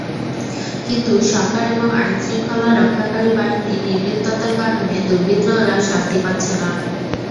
কিন্তু সরকার এবং আইনশৃঙ্খলা রক্ষাকারী বাহিনীর নির্লিপ্ততার কারণে দুর্বৃত্তরা শাস্তি পাচ্ছে না।